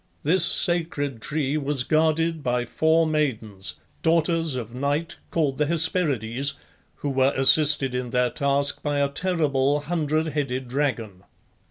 This sacred tree was guarded by four maidens, daughters of Night, called the Hesperides, who were assisted in their task by a terrible hundred headed dragon.